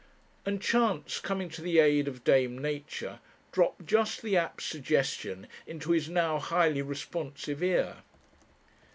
And Chance, coming to the aid of Dame Nature, dropped just the apt suggestion into his now highly responsive ear.